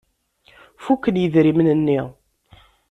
Fuken yidrimen-nni.